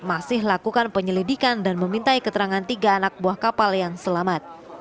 masih lakukan penyelidikan dan memintai keterangan tiga anak buah kapal yang selamat